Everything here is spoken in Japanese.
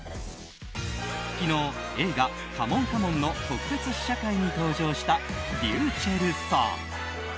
昨日、映画「カモンカモン」の特別試写会に登場したｒｙｕｃｈｅｌｌさん。